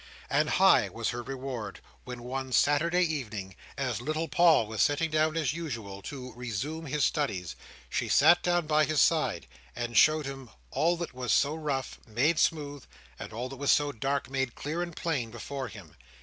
And high was her reward, when one Saturday evening, as little Paul was sitting down as usual to "resume his studies," she sat down by his side, and showed him all that was so rough, made smooth, and all that was so dark, made clear and plain, before him.